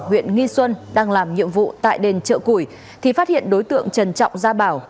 huyện nghi xuân đang làm nhiệm vụ tại đền chợ củi thì phát hiện đối tượng trần trọng gia bảo